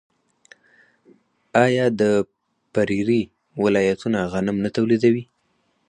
آیا د پریري ولایتونه غنم نه تولیدوي؟